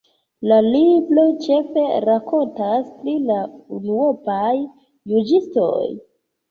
La libro ĉefe rakontas pri la unuopaj juĝistoj.